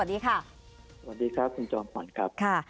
วันดีค่ะคุณจอมขอโทษนะครับ